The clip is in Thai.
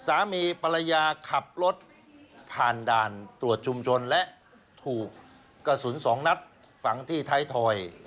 สามีภรรยาขับรถผ่านด่านตรวจชุมชนและถูกกระสุนสองนัดฝังที่ท้ายถอย